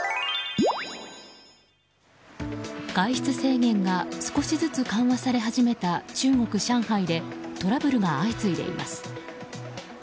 外出制限が少しずつ緩和され始めた中国・上海でトラブルが相次いでいます。